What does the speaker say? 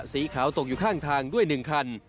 สีขาวตกอยู่ข้างทางด้วย๑คัน